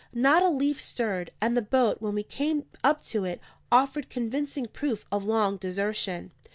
Not a leaf stirred; and the boat, when we came up to it, offered convincing proof of long desertion.